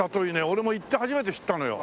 俺も行って初めて知ったのよ。